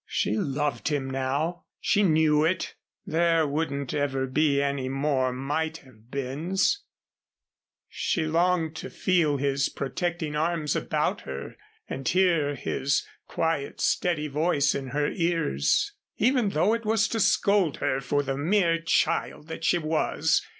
She loved him now. She knew it. There wouldn't ever be any more might have beens. She longed to feel his protecting arms about her and hear his quiet steady voice in her ears, even though it was to scold her for the mere child that she was.